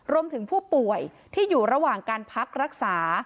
รวมถึงผู้ป่วยที่อยู่ระหว่างการพักรักษา